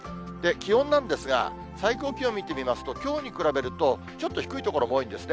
気温なんですが、最高気温見てみますと、きょうに比べるとちょっと低い所も多いんですね。